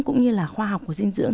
cũng như là khoa học của dinh dưỡng